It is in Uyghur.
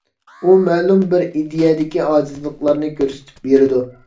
ئۇ مەلۇم بىر ئىدىيەدىكى ئاجىزلىقلارنى كۆرسىتىپ بېرىدۇ.